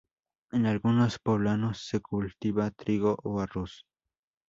En algunos poblados se cultivaba trigo o arroz.